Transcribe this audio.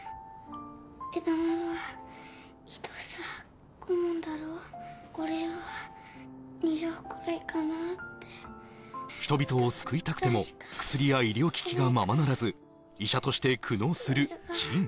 枝豆は１房５文だろ俺は２両ぐらいかなって人々を救いたくても薬や医療機器がままならず医者として苦悩する仁